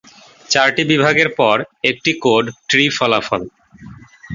চারটি বিভাগের পর, একটি কোড ট্রি ফলাফল.